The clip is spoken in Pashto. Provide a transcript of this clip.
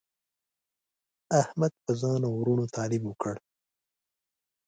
احمد په ځان او ورونو تعلیم وکړ.